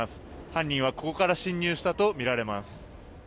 犯人はここから侵入したとみられます。